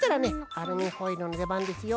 アルミホイルのでばんですよ。